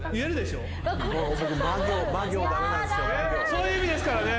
そういう意味ですからね。